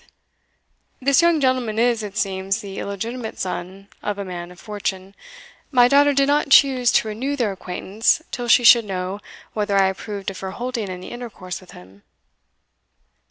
This young gentleman is, it seems, the illegitimate son of a man of fortune; my daughter did not choose to renew their acquaintance till she should know whether I approved of her holding any intercourse with him."